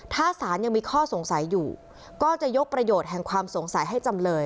ถ้าศาลยังมีข้อสงสัยอยู่ก็จะยกประโยชน์แห่งความสงสัยให้จำเลย